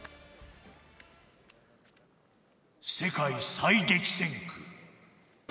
世界最激戦区。